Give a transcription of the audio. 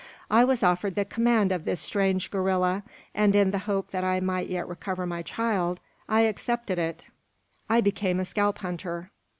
"I was offered the command of this strange guerilla; and in the hope that I might yet recover my child, I accepted it I became a scalp hunter.